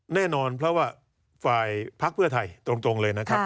แน่นอนเพราะว่าฝ่ายพักเพื่อไทยตรงเลยนะครับ